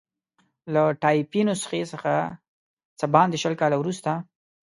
له ټایپي نسخې څخه څه باندې شل کاله وروسته.